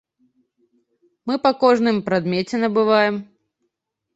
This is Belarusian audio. Мы па кожным прадмеце набываем.